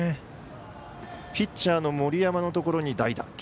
ピッチャーの森山のところに代打。